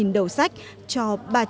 hai đầu sách cho